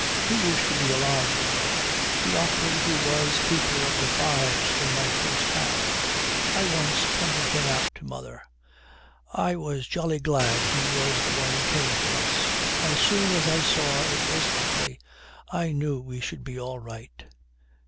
He used to be alive, you know the Ockley who was keeper of the fives in my first half. I once pointed him out to mother. I was jolly glad he was the one who came for us. As soon as I saw it was Ockley I knew we should be all right.'